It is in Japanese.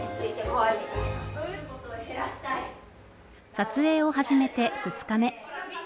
撮影を始めて２日目。